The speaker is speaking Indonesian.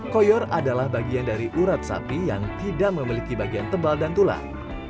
koyor adalah bagian dari urat sapi yang tidak memiliki bagian tebal dan tulang